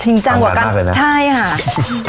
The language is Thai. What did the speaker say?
จริงจังกว่ากันใช่ค่ะ